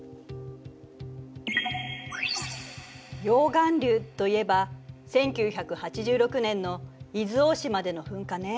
溶岩流といえば１９８６年の伊豆大島での噴火ね。